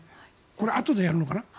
これ、あとでやるのかな？